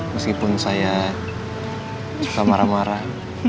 meskipun saya suka marah marah